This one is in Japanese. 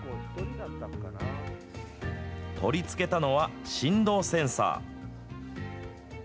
取り付けたのは振動センサー。